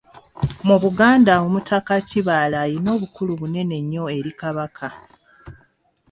Mu Buganda Omutaka Kibaale alina obukulu bunene nnyo eri Kabaka.